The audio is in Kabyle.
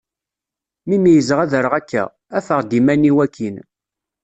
Mi meyyzeɣ ad rreɣ akka, afeɣ-d iman-iw akkin.